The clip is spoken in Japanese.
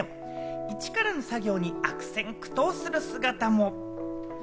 イチからの作業に悪戦苦闘する姿も。